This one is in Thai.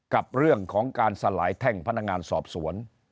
กับเรื่องของการสลายแท่งพนักงานสอบสวน